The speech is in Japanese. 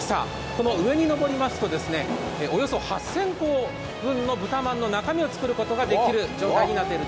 この上に上りますと、およそ８０００個分の豚まんを作ることができるそうです。